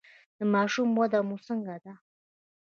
د ماشوم وده مو څنګه ده؟